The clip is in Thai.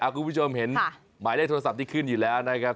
คุณผู้ชมเห็นหมายเลขโทรศัพท์ที่ขึ้นอยู่แล้วนะครับ